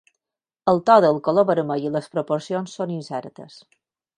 El to del color vermell i les proporcions són incertes.